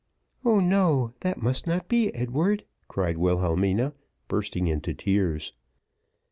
"Oh no, that must not be, Edward," cried Wilhelmina, bursting into tears.